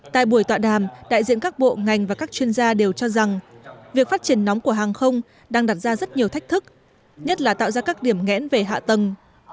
tại buổi tọa đàm đại diện các bộ ngành và các chuyên gia đều cho rằng việc phát triển nóng của hàng không đang đặt ra rất nhiều thách thức nhất là tạo ra các điểm nghẽn về hạ tầng